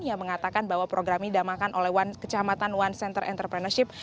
yang mengatakan bahwa program ini damakan oleh kecamatan one center entrepreneurship